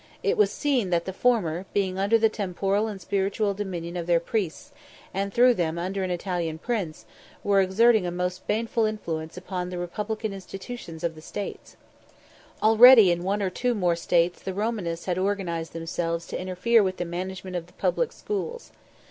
It was seen that the former, being under the temporal and spiritual domination of their priests, and through them under an Italian prince, were exerting a most baneful influence upon the republican institutions of the States. Already in two or more States the Romanists had organised themselves to interfere with the management of the public schools.